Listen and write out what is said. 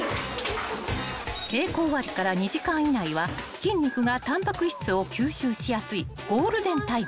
［稽古終わりから２時間以内は筋肉がタンパク質を吸収しやすいゴールデンタイム］